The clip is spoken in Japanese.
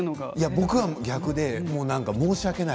僕は逆で申し訳ない。